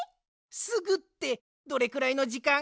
「すぐ」ってどれくらいのじかん？